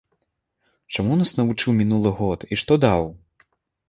Чаму нас навучыў мінулы год і што даў?